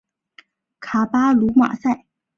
卡巴卢马塞。